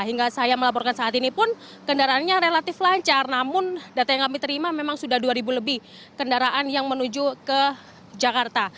hingga saya melaporkan saat ini pun kendaraannya relatif lancar namun data yang kami terima memang sudah dua lebih kendaraan yang menuju ke jakarta